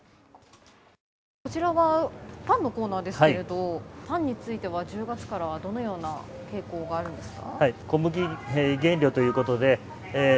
こちらはパンのコーナーですけれどパンについては１０月からはどのような傾向があるんですか？